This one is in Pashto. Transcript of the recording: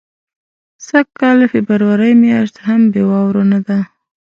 سږ کال فبرورۍ میاشت هم بې واورو نه ده.